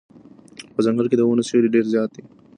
په ځنګل کې د ونو سیوری ډېر زیات دی.